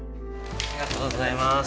ありがとうございます。